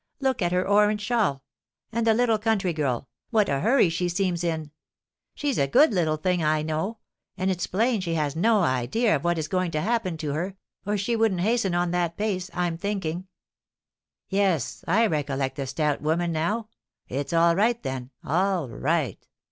Look at her orange shawl; and the little country girl, what a hurry she seems in! She's a good little thing, I know; and it's plain she has no idea of what is going to happen to her, or she wouldn't hasten on at that pace, I'm thinking." "Yes, I recollect the stout woman now. It's all right, then all right!